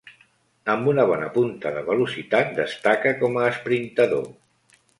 Amb una bona punta de velocitat destaca com a esprintador.